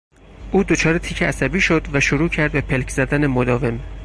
او دچار تیک عصبی شد و شروع کرد به پلک زدن مداوم.